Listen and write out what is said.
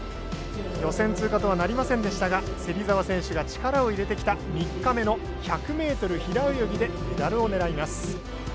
予選通過とはなりませんでしたが芹澤選手が力を入れてきた３日目の１００ｍ平泳ぎでメダルを狙います